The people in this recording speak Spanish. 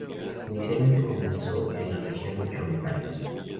Inicialmente comenzó en la región chontal.